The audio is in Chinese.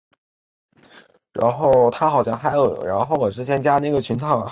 等腰横帘蛤为帘蛤科花蛤属下的一个种。